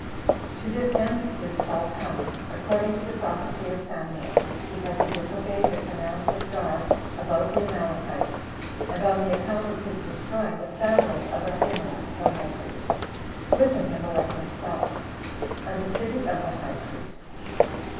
] 9. To this his end did Saul come, according to the prophecy of Samuel, because he disobeyed the commands of God about the Amalekites, and on the account of his destroying the family of Ahimelech the high priest, with Ahimelech himself, and the city of the high priests.